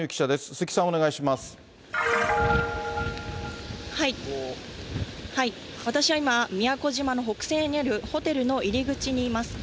鈴木さん、私は今、宮古島の北西にあるホテルの入り口にいます。